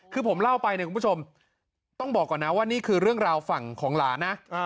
คือผมเล่าไปเนี่ยคุณผู้ชมต้องบอกก่อนนะว่านี่คือเรื่องราวฝั่งของหลานนะ